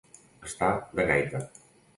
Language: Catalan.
Estar de gaita.